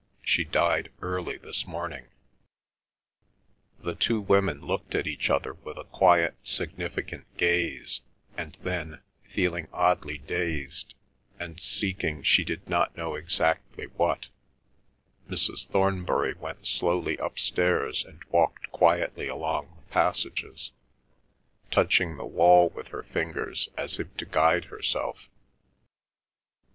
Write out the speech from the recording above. She died early this morning." The two women looked at each other with a quiet significant gaze, and then, feeling oddly dazed, and seeking she did not know exactly what, Mrs. Thornbury went slowly upstairs and walked quietly along the passages, touching the wall with her fingers as if to guide herself.